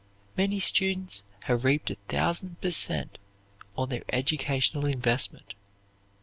Many students have reaped a thousand per cent on their educational investment.